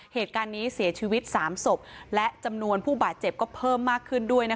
เหตุการณ์นี้เสียชีวิต๓ศพและจำนวนผู้บาดเจ็บก็เพิ่มมากขึ้นด้วย